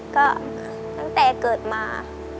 ก็ตั้งแต่เกิดมา